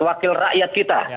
wakil rakyat kita